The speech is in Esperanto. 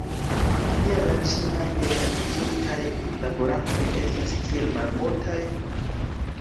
Kial la ĉinaj ellandiĝintaj laborantoj estas tiel malmultaj?